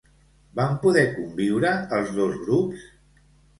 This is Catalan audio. Van poder conviure els dos grups?